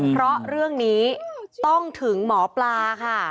เพราะเรื่องนี้ต้องถึงหมอปลาค่ะ